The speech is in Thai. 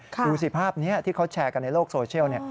ดูสิภาพนี้ที่เขาแชร์กันในโลกโซเชียล